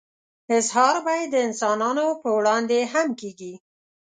اظهار به يې د انسانانو په وړاندې هم کېږي.